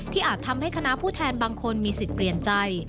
อาจทำให้คณะผู้แทนบางคนมีสิทธิ์เปลี่ยนใจ